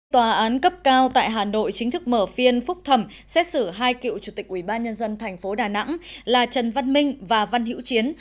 tòa án cấp cao tại hà nội chính thức mở phiên phúc thẩm xét xử hai cựu chủ tịch ubnd tp đà nẵng là trần văn minh và văn hiễu chiến